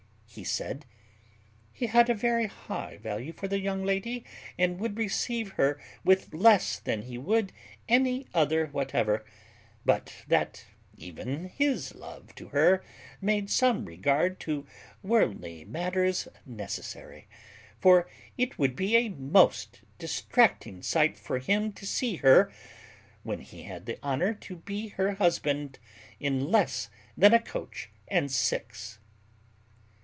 He said, "He had a very high value for the young lady, and would receive her with less than he would any other whatever; but that even his love to her made some regard to worldly matters necessary; for it would be a most distracting sight for him to see her, when he had the honour to be her husband, in less than a coach and six."